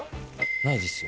ないですよ。